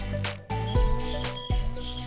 sejak dulu kambing selalu idup